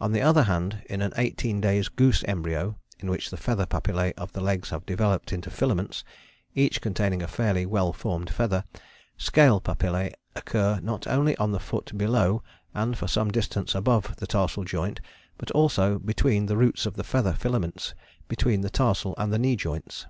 On the other hand, in an 18 days goose embryo in which the feather papillae of the legs have developed into filaments, each containing a fairly well formed feather, scale papillae occur not only on the foot below and for some distance above the tarsal joint but also between the roots of the feather filaments between the tarsal and the knee joints.